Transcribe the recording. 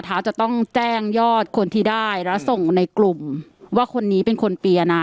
เท้าจะต้องแจ้งยอดคนที่ได้และส่งในกลุ่มว่าคนนี้เป็นคนเปียนะ